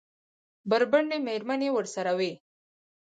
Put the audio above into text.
بربنډې مېرمنې ورسره وې؟